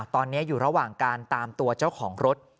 ตอนนี้อยู่ระหว่างการตามตัวเจ้าของรถ